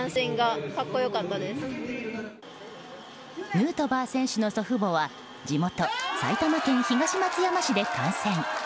ヌートバー選手の祖父母は地元・埼玉県東松山市で観戦。